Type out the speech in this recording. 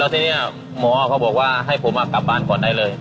แล้วทีนี้หมอเขาบอกให้ผมออกกลับบ้านก่อนได้เลย